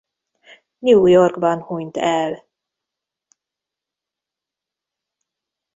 New Yorkban hunyt el.